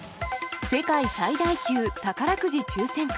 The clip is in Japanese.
世界最大級宝くじ抽選会。